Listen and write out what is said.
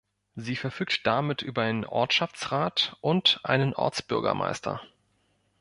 Sie verfügt damit über einen Ortschaftsrat und einen Ortsbürgermeister.